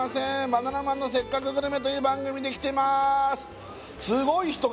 「バナナマンのせっかくグルメ！！」という番組で来てます